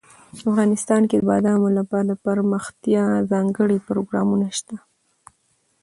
افغانستان کې د بادامو لپاره دپرمختیا ځانګړي پروګرامونه شته.